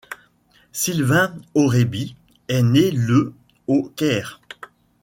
Sylvain Orebi est né le au Caire.